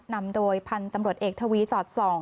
นำโดยพันธุ์ตำรวจเอกทวีสอดส่อง